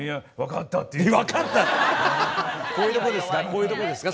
こういうとこですか？